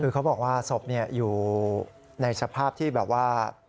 คือเขาบอกว่าศพอยู่ในสภาพที่แบบว่า